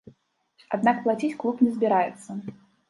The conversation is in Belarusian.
Аднак плаціць клуб не збіраецца.